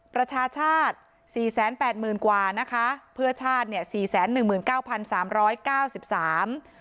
ประชาชาติสี่แสนแปดหมื่นกว่านะคะเพื่อชาติเนี่ยสี่แสนหนึ่งหมื่นเก้าพันสามร้อยเก้าสิบสาม